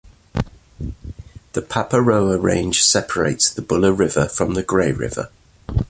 The Paparoa Range separates the Buller River from the Grey River.